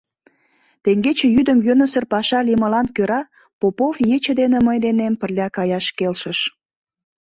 Теҥгече йӱдым йӧнысыр паша лиймылан кӧра Попов ече дене мый денем пырля каяш келшыш.